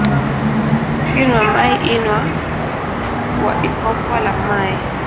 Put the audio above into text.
Ukinwa mai inwa kwa ikopwa la mai